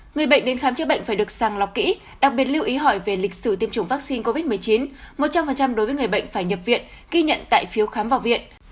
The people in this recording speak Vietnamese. người bệnh đến khám chữa bệnh phải được sàng lọc kỹ đặc biệt lưu ý hỏi về lịch sử tiêm chủng vaccine covid một mươi chín một trăm linh đối với người bệnh phải nhập viện ghi nhận tại phiếu khám vào viện